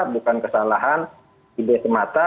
bukan kesalahan ib semata